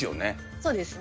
そうですね。